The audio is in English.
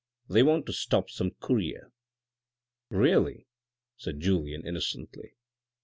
They want to stop some courier." " Really," said Julien innocently.